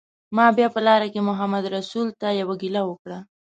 ما بیا په لاره کې محمدرسول ته یوه ګیله وکړه.